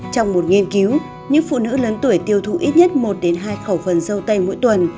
trong một nghiên cứu những phụ nữ lớn tuổi tiêu thụ ít nhất một hai khẩu phần dâu tây mỗi tuần